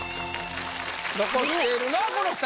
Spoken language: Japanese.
残っているのはこの二人。